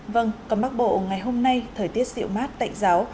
vâng có mắc bộ ngày hôm nay thời tiết dịu mát tạnh giáo